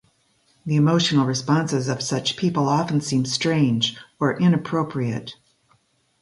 The emotional responses of such people often seem strange or inappropriate.